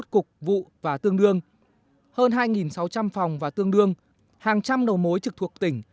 hai mươi cục vụ và tương đương hơn hai sáu trăm linh phòng và tương đương hàng trăm đầu mối trực thuộc tỉnh